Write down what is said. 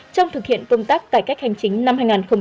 trong thực hiện công tác cải cách hành chính năm hai nghìn một mươi chín